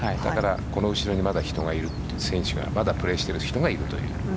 この後にまだ人がいるというまだプレーしている人がいるという。